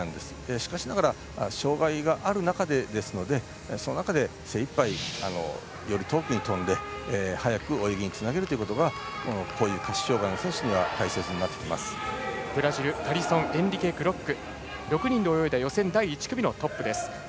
しかしながら障がいがある中ですのでその中で精いっぱいより遠くに跳んで早く泳ぎにつなげるということがこういう下肢障がいの選手ではブラジルのタリソンエンリケ・グロック６人で泳いだ予選第１組トップ。